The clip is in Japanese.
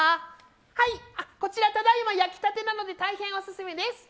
こちら、ただいま焼きたてなので大変オススメです！